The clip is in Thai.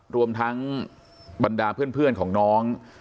รวมทั้งบรรดาเพื่อนของน้อง